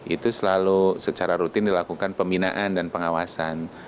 itu selalu secara rutin dilakukan pembinaan dan pengawasan